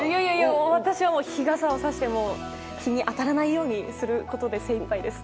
私はもう日傘をさして日に当たらないようにすることでせいいっぱいです。